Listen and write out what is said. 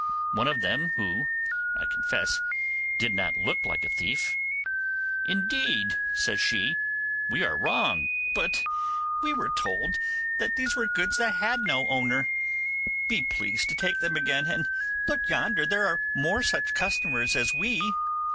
One of them, who, I confess, did not look like a thief—'Indeed,' says she, 'we are wrong, but we were told they were goods that had no owner. Be pleased to take them again; and look yonder, there are more such customers as we.